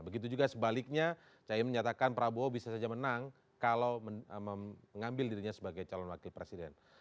begitu juga sebaliknya caimin menyatakan prabowo bisa saja menang kalau mengambil dirinya sebagai calon wakil presiden